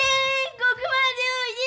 ここまでおいで！